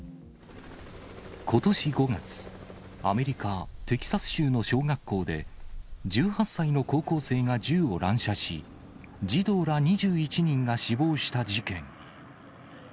ことし５月、アメリカ・テキサス州の小学校で、１８歳の高校生が銃を乱射し、児童ら２１人が死亡した事件。